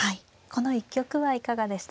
この一局はいかがでしたか。